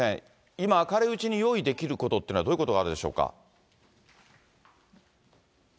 今明るいうちに用意できることというのはどういうことがあるでしょうか。